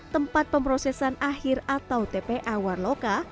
tempat pemrosesan akhir atau tpa warloka